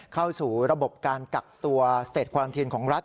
เข้าสู่ระบบการกักตัวสเตจควานทีนของรัฐ